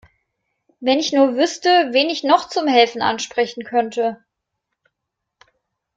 Wenn ich nur wüsste, wen ich noch zum Helfen ansprechen könnte.